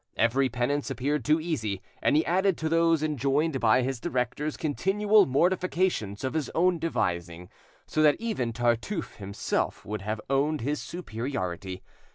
Every penance appeared too easy, and he added to those enjoined by his directors continual mortifications of his own devising, so that even Tartufe himself would have owned his superiority.